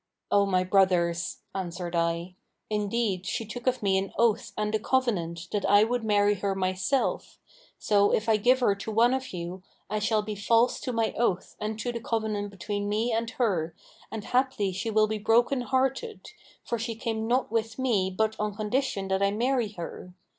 'O my brothers,' answered I, 'indeed she took of me an oath and a covenant that I would marry her myself; so, if I give her to one of you, I shall be false to my oath and to the covenant between me and her, and haply she will be broken hearted, for she came not with me but on condition that I marry her.